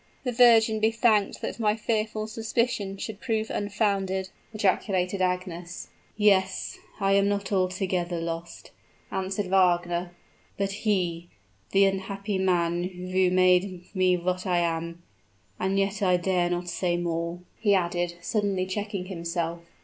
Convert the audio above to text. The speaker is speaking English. "The Virgin be thanked that my fearful suspicion should prove unfounded!" ejaculated Agnes. "Yes I am not altogether lost," answered Wagner. "But he the unhappy man who made me what I am And yet I dare not say more," he added, suddenly checking himself.